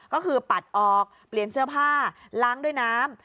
ก็คือปัดออกเปลี่ยนเสื้อผ้าล้างด้วยน้ำ